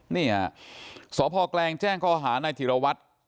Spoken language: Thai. นี่สพแกลงแจ้งคอหาในธิรวัตร